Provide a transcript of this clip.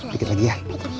dikit lagi ya deh